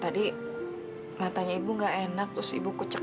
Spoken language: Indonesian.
tadi matanya ibu gak enak terus ibu kucek